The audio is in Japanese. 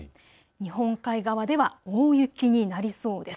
日本海側では大雪になりそうです。